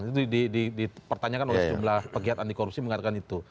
itu dipertanyakan oleh sejumlah pegiat anti korupsi mengatakan itu